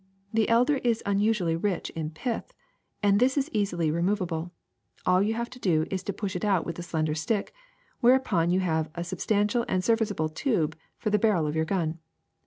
The elder is unusually rich in pith, and this is easily removable; all you have to do is to push it out with a slender stick, whereupon you have a substantial and serviceable tube for the bar rel of your gun.